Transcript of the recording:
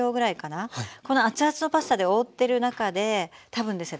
この熱々のパスタで覆ってる中で多分ですね